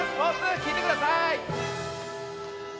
きいてください！